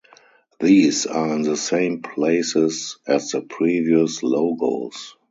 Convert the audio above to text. These are in the same places as the previous logos.